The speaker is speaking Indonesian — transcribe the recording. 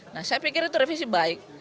nah saya pikir itu revisi baik